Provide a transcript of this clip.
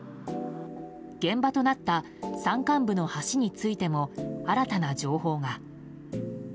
現場となった山間部の橋についても新たな情報が。